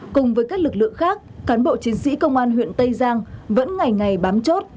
cùng với các lực lượng khác cán bộ chiến sĩ công an huyện tây giang vẫn ngày ngày bám chốt